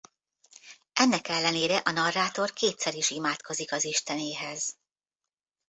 Ennek ellenére a narrátor kétszer is imádkozik az istenéhez.